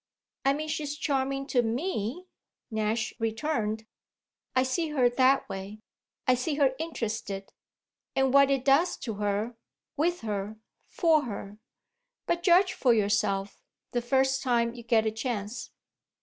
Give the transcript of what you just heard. "I mean she's charming to me," Nash returned. "I see her that way. I see her interested and what it does to her, with her, for her. But judge for yourself the first time you get a chance."